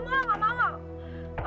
gak mau gak mau